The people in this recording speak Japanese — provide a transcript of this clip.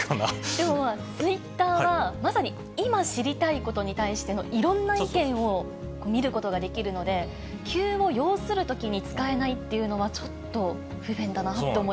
でもツイッターは、まさに今知りたいことに対してのいろんな意見を見ることができるので、急を要するときに使えないっていうのは、ちょっと不便だなって思